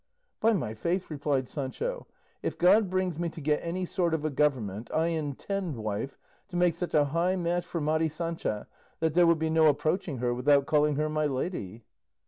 "By my faith," replied Sancho, "if God brings me to get any sort of a government, I intend, wife, to make such a high match for Mari Sancha that there will be no approaching her without calling her 'my lady."